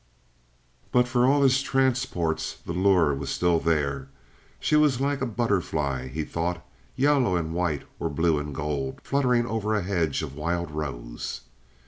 But for all his transports the lure was still there. She was like a butterfly, he thought, yellow and white or blue and gold, fluttering over a hedge of wild rose.